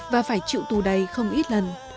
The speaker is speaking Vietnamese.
và phải chịu tù đầy không ít lần